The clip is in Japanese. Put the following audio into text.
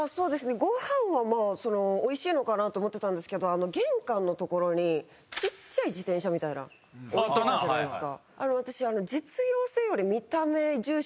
ごはんはおいしいかなと思ってたんですけど玄関のところに小っちゃい自転車置いてたじゃないですか。